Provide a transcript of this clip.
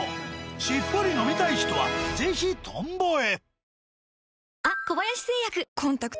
しっぽり飲みたい人は是非「とんぼ」へ。